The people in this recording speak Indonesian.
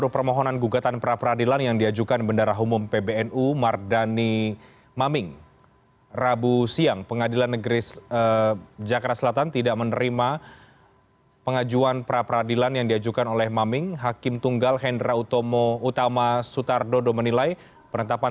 pengadilan negeri jakarta selatan